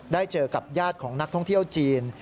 ได้เจอกับญาติของนักท่องเที่ยวจีน